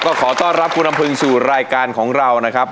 ก็ขอต้อนรับคุณอำพึงสู่รายการของเรานะครับ